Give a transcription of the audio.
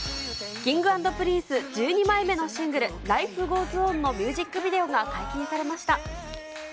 Ｋｉｎｇ＆Ｐｒｉｎｃｅ１２枚目のシングル、ライフ・ゴーズ・オンのミュージックビデオが解禁されました。